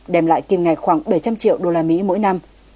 đem lại kiềm ngạch khoảng bảy trăm linh triệu usd mỗi năm